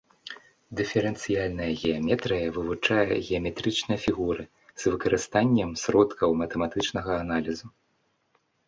Дыферэнцыяльная геаметрыя вывучае геаметрычныя фігуры з выкарыстаннем сродкаў матэматычнага аналізу.